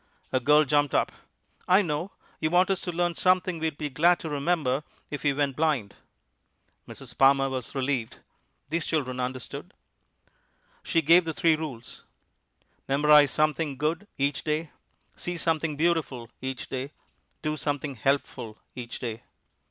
A girl jumped up. "I know; you want us to learn something we'd be glad to remember if we went blind." Mrs. Palmer was relieved; these children understood. She gave the three rules memorize something good each day, see something beautiful each day, do something helpful each day.